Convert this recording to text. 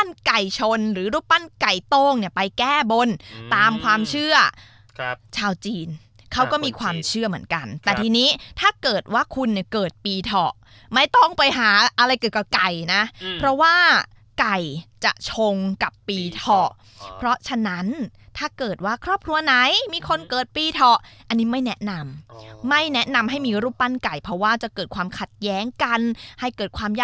นั่นแหละเขาก็เลยไปซื้อม้าลายตัวใหญ่แบบนั้นอ่ะเอามาถวายแทนเลย